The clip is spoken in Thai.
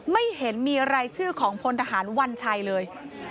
ไม่เห็นมีรายชื่อของพลทหารวัญชัยเลย